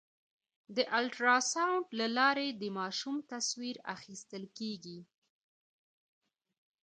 د الټراساونډ له لارې د ماشوم تصویر اخیستل کېږي.